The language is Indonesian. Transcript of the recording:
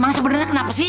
emang sebenernya kenapa sih